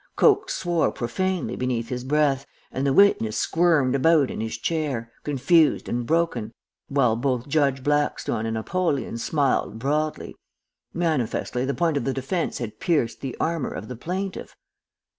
"Coke swore profanely beneath his breath, and the witness squirmed about in his chair, confused and broken, while both Judge Blackstone and Apollyon smiled broadly. Manifestly the point of the defence had pierced the armor of the plaintiff.